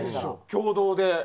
共同で。